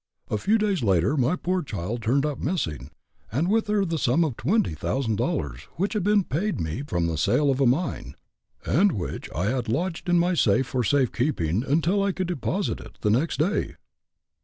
A few days later, my poor child turned up missing, and with her the sum of twenty thousand dollars, which had been paid me from the sale of a mine, and which I had lodged in my safe for safe keeping until I could deposit it, the next day!"